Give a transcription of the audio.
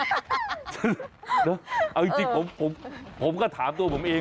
เอาจริงผมก็ถามตัวผมเอง